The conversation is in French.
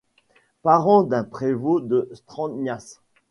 Parent d'un prévôt de Strängnäs.